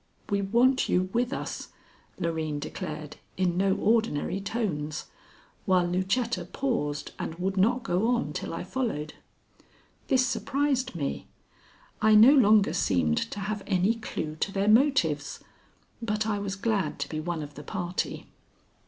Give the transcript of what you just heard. "We want you with us," Loreen declared in no ordinary tones, while Lucetta paused and would not go on till I followed. This surprised me. I no longer seemed to have any clue to their motives; but I was glad to be one of the party.